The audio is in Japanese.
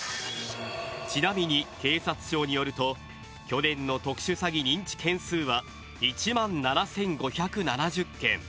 ちなみに警察庁によると去年の特殊詐欺認知件数は１万７５７０件。